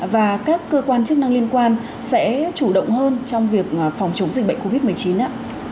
và các cơ quan chức năng liên quan sẽ chủ động hơn trong việc phòng chống dịch bệnh covid một mươi chín ạ